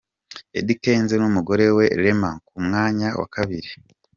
Eddy Kenzo n'umugore we Rema ku mwanya wa kabiri.